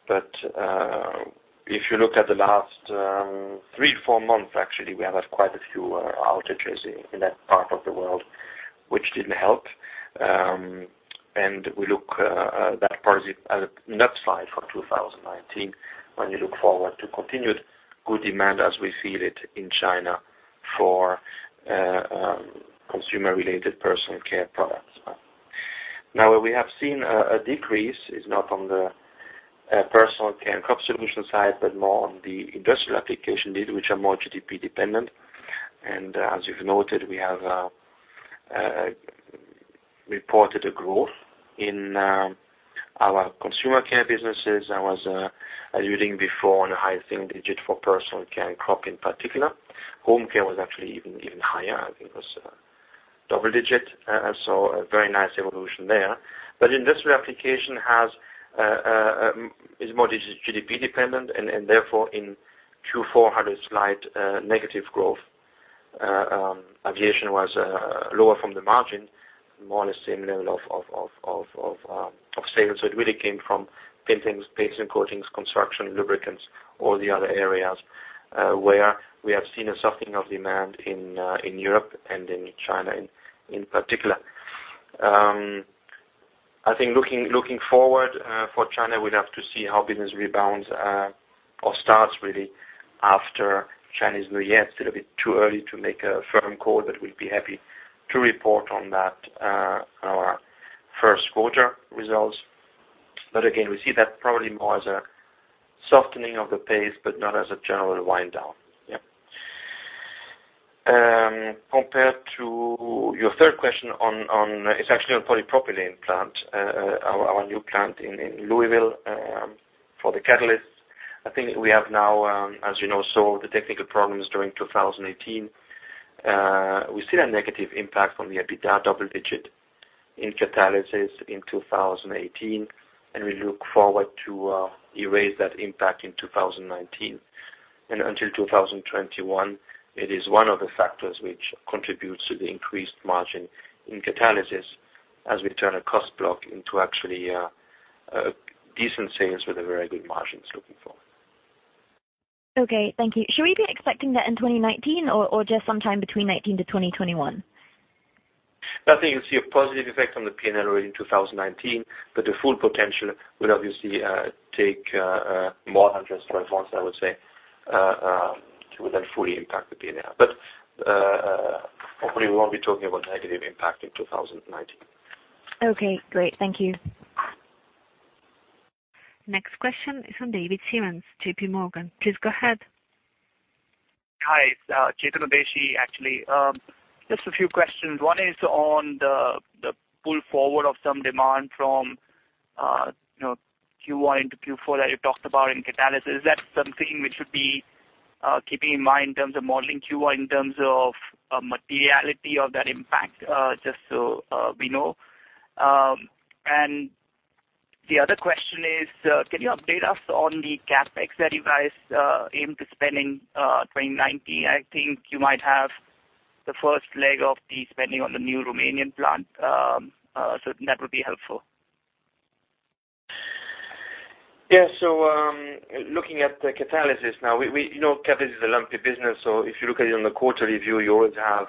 Speaker 4: If you look at the last three, four months, actually, we have had quite a few outages in that part of the world, which didn't help. We look at that part as an upside for 2019 when you look forward to continued good demand as we see it in China for consumer-related Personal Care products. Now, where we have seen a decrease is not on the Personal Care and Crop Solutions side, but more on the Industrial Applications side, which are more GDP-dependent. As you've noted, we have reported a growth in our Consumer Care businesses. I was alluding before on a high single digit for Personal Care and Crop in particular. Home Care was actually even higher. I think it was double digit. A very nice evolution there. Industrial Applications is more GDP-dependent and therefore in Q4 had a slight negative growth. Aviation was lower from the margin, more or less same level of sales. It really came from paintings, paints and coatings, construction, lubricants, all the other areas where we have seen a softening of demand in Europe and in China in particular. Looking forward for China, we'll have to see how business rebounds or starts really after Chinese New Year. It's a little bit too early to make a firm call, we'll be happy to report on that our Q1 results. Again, we see that probably more as a softening of the pace, but not as a general wind down. Compared to your third question on, it's actually on polypropylene plant, our new plant in Louisville for the catalysts. We have now, as you know, saw the technical problems during 2018. We see a negative impact on the EBITDA, double digit in Catalysis in 2018, we look forward to erase that impact in 2019. Until 2021, it is one of the factors which contributes to the increased margin in Catalysis as we turn a cost block into actually decent sales with very good margins looking forward.
Speaker 8: Thank you. Should we be expecting that in 2019 or just sometime between 2019 - 2021?
Speaker 4: You'll see a positive effect on the P&L already in 2019, the full potential will obviously take more than just 12 months, I would say, to then fully impact the P&L. Hopefully we won't be talking about negative impact in 2019.
Speaker 8: Okay, great. Thank you.
Speaker 1: Next question is from David Semens, JPMorgan. Please go ahead.
Speaker 9: Hi. It's Chetan Udeshi, actually. Just a few questions. One is on the pull forward of some demand from Q1 into Q4 that you talked about in Catalysis. Is that something we should be keeping in mind in terms of modeling Q1 in terms of materiality of that impact? Just so we know. The other question is, can you update us on the CapEx that you guys aimed to spend in 2019? I think you might have the first leg of the spending on the new Romanian plant, so that would be helpful.
Speaker 4: Yeah. Looking at the Catalysis now, you know, catalyst is a lumpy business, so if you look at it on the quarterly view, you always have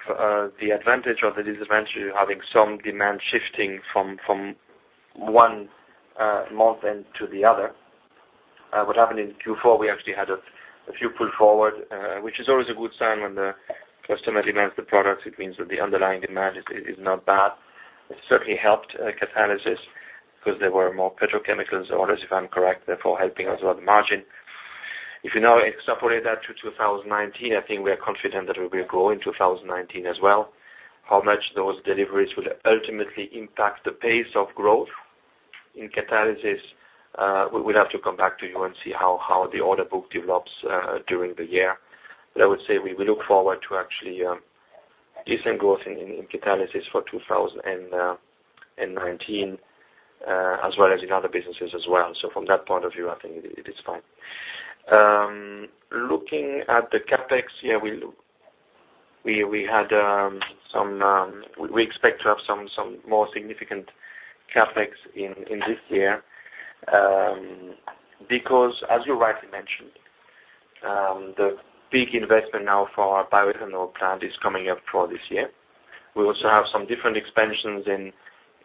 Speaker 4: the advantage or the disadvantage of having some demand shifting from one month end to the other. What happened in Q4, we actually had a few pull forward, which is always a good sign when the customer demands the products. It means that the underlying demand is not bad. It certainly helped Catalysis because there were more petrochemicals orders, if I'm correct, therefore helping us with margin. If you now extrapolate that to 2019, I think we are confident that we will grow in 2019 as well. How much those deliveries will ultimately impact the pace of growth in Catalysis, we'll have to come back to you and see how the order book develops during the year. I would say we look forward to actually decent growth in Catalysis for 2019, as well as in other businesses as well. From that point of view, I think it is fine. Looking at the CapEx, we expect to have some more significant CapEx in this year. As you rightly mentioned, the big investment now for our bioethanol plant is coming up for this year. We also have some different expansions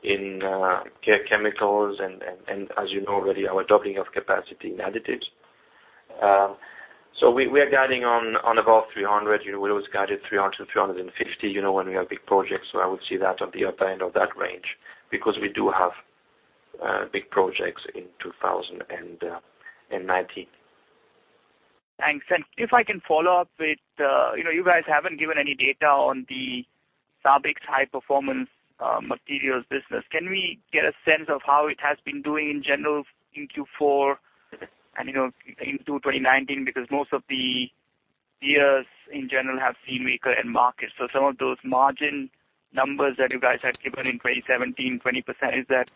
Speaker 4: in Care Chemicals and, as you know already, our doubling of capacity in Additives. We are guiding on above 300 million. We always guided 300 million-350 million, you know when we have big projects. I would see that on the upper end of that range, because we do have big projects in 2019.
Speaker 9: Thanks. If I can follow up with, you guys haven't given any data on the SABIC's High Performance Materials business. Can we get a sense of how it has been doing in general in Q4 and into 2019? Most of the years in general have been weaker in markets. Some of those margin numbers that you guys had given in 2017, 20%, is that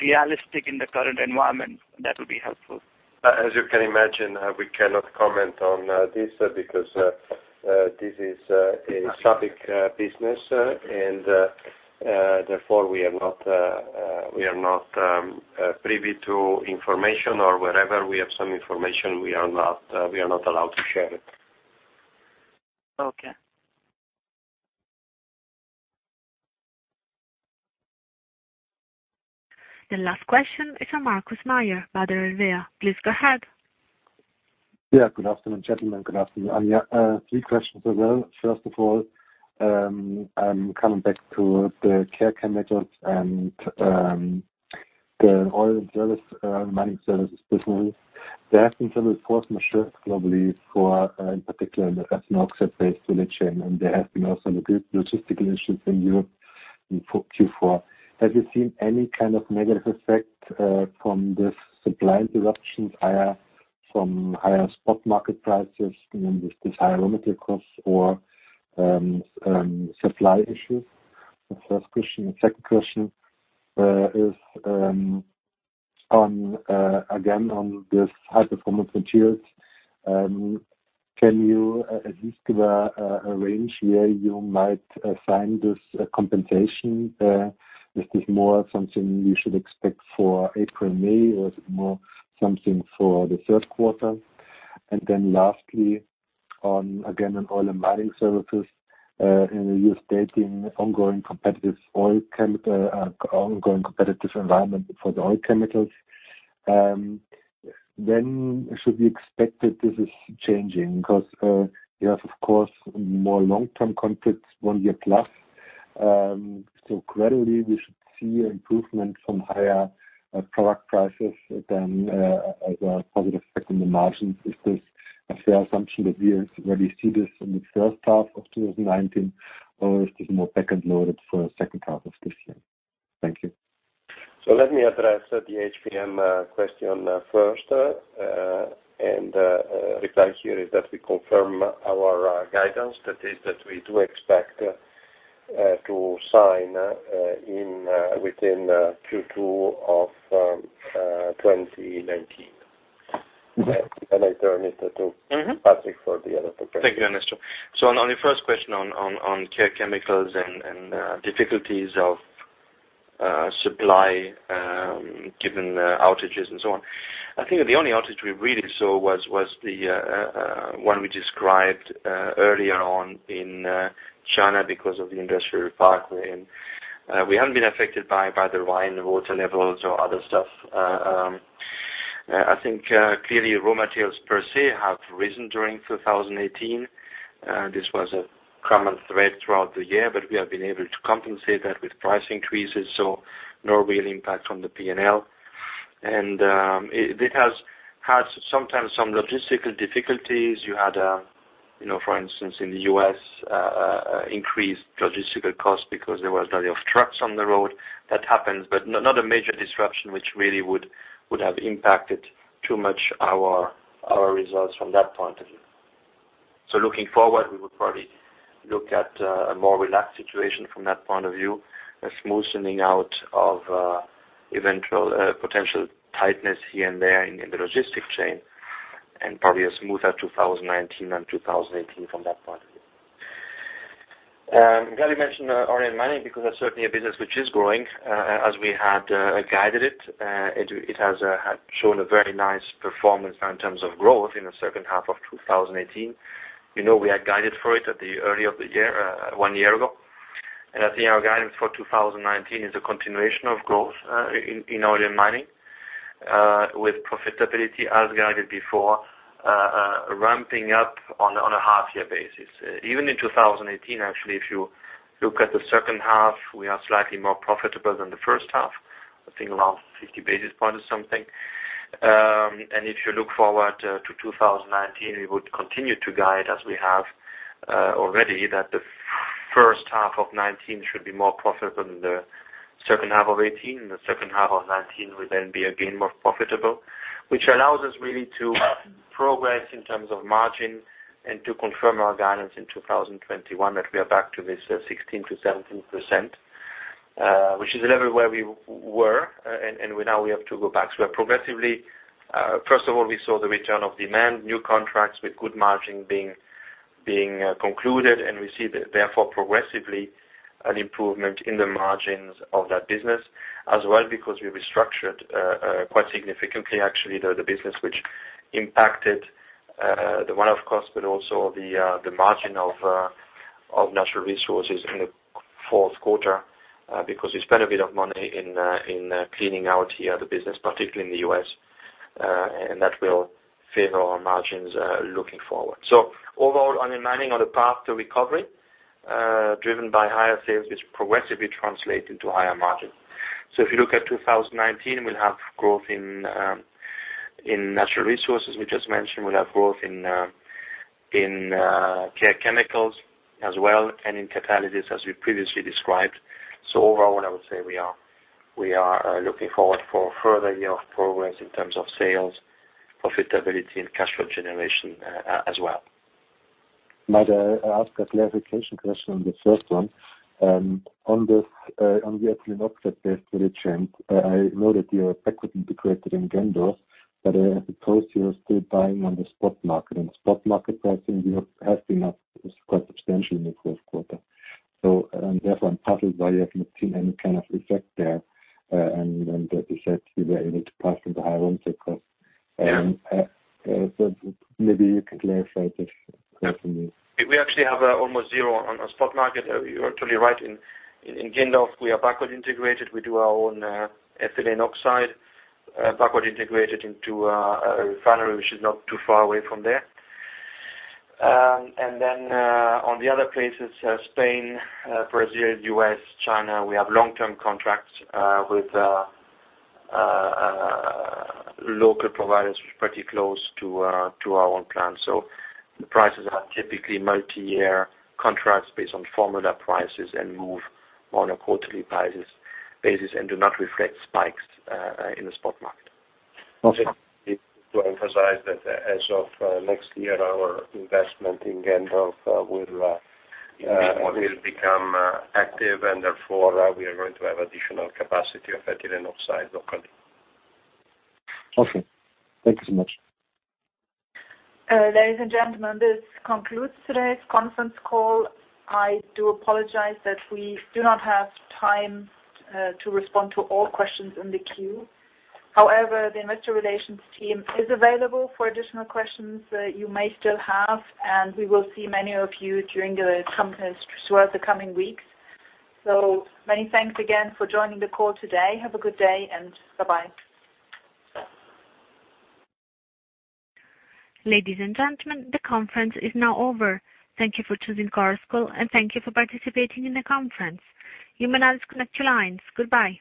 Speaker 9: realistic in the current environment? That would be helpful.
Speaker 3: As you can imagine, we cannot comment on this because this is a SABIC business, therefore, we are not privy to information or wherever we have some information, we are not allowed to share it.
Speaker 9: Okay.
Speaker 1: The last question is from Markus Mayer, Baader Helvea. Please go ahead.
Speaker 10: Yeah. Good afternoon, gentlemen. Good afternoon, Anja. Three questions as well. First of all, I'm coming back to the Care Chemicals and the Oil and Mining Services business. There have been several force majeure globally for, in particular, ethanol-based value chain, and there have been also logistical issues in Europe in Q4. Have you seen any kind of negative effect from these supply interruptions from higher spot market prices, these higher raw material costs or supply issues? The first question. The second question is, again, on this High Performance Materials. Can you at least give a range where you might sign this compensation? Is this more something you should expect for April, May, or is it more something for the Q3? Lastly, again, on Oil and Mining Services, you're stating ongoing competitive environment for the oil chemicals. When should we expect that this is changing? You have, of course, more long-term contracts, one year plus. Gradually, we should see improvement from higher product prices as a positive effect on the margins. Is this a fair assumption that we already see this in the first half of 2019 or is this more back-end loaded for second half of this year? Thank you.
Speaker 3: Let me address the HPM question first. Reply here is that we confirm our guidance. That is, that we do expect to sign within Q2 of 2019. I turn it to Patrick for the other questions.
Speaker 4: Thank you, Ernesto. On your first question on Care Chemicals and difficulties of supply given outages and so on. I think the only outage we really saw was the one we described earlier on in China because of the industrial park. We haven't been affected by the Rhine water levels or other stuff. I think, clearly, raw materials per se have risen during 2018. This was a common thread throughout the year, but we have been able to compensate that with price increases, so no real impact on the P&L. It has had sometimes some logistical difficulties. You had, for instance, in the U.S., increased logistical costs because there was a lot of trucks on the road. That happens, but not a major disruption which really would have impacted too much our results from that point of view. Looking forward, we would probably look at a more relaxed situation from that point of view, a smoothening out of eventual potential tightness here and there in the logistics chain, and probably a smoother 2019 than 2018 from that point of view. I'm glad you mentioned Oil and Mining because that's certainly a business which is growing as we had guided it. It has shown a very nice performance now in terms of growth in the second half of 2018. We had guided for it at the early of the year, one year ago. I think our guidance for 2019 is a continuation of growth in Oil and Mining with profitability as guided before, ramping up on a half-year basis. Even in 2018, actually, if you look at the second half, we are slightly more profitable than the first half, I think around 50 basis points or something. If you look forward to 2019, we would continue to guide as we have already that the first half of 2019 should be more profitable than the second half of 2018, and the second half of 2019 will then be again more profitable. Which allows us really to progress in terms of margin and to confirm our guidance in 2021 that we are back to this 16%-17%, which is the level where we were, and now we have to go back. We are progressively. First of all, we saw the return of demand, new contracts with good margin being concluded, and we see, therefore progressively an improvement in the margins of that business as well, because we restructured quite significantly actually, the business which impacted the one-off cost, but also the margin of Natural Resources in the fourth quarter because we spent a bit of money in cleaning out here the business, particularly in the U.S., and that will favor our margins looking forward. Overall, Oil and Mining on the path to recovery, driven by higher sales, which progressively translate into higher margins. If you look at 2019, we'll have growth in Natural Resources. We just mentioned we'll have growth in Care Chemicals as well and in Catalysis as we previously described. Overall, I would say we are looking forward for a further year of progress in terms of sales, profitability and cash flow generation as well.
Speaker 10: Might I ask a clarification question on the first one? On the ethylene oxide price really changed. I know that your equity integrated in Gendorf, I suppose you are still buying on the spot market. Spot market pricing has been up quite substantially in the Q1. Therefore, I'm puzzled why you have not seen any kind of effect there and that you said you were able to pass on the higher input cost.
Speaker 4: Yeah.
Speaker 10: Maybe you can clarify this for me.
Speaker 4: We actually have almost zero on the spot market. You are totally right. In Gendorf, we are backward integrated. We do our own ethylene oxide, backward integrated into a refinery, which is not too far away from there. Then on the other places Spain, Brazil, U.S., China, we have long-term contracts with local providers, which is pretty close to our own plant. The prices are typically multi-year contracts based on formula prices and move on a quarterly basis and do not reflect spikes in the spot market.
Speaker 10: Okay.
Speaker 4: To emphasize that as of next year, our investment in Gendorf will become active and therefore we are going to have additional capacity of ethylene oxide locally.
Speaker 10: Okay. Thank you so much.
Speaker 2: Ladies and gentlemen, this concludes today's conference call. I do apologize that we do not have time to respond to all questions in the queue. However, the investor relations team is available for additional questions that you may still have, and we will see many of you during the company throughout the coming weeks. Many thanks again for joining the call today. Have a good day and bye-bye.
Speaker 1: Ladies and gentlemen, the conference is now over. Thank you for choosing Chorus Call and thank you for participating in the conference. You may now disconnect your lines. Goodbye